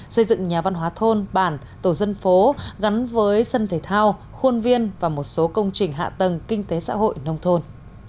xây dựng nhà văn hóa thôn bản tổ dân phố gắn với sân thể thao khuôn viên và một số công trình hạ tầng kinh tế xã hội nông thôn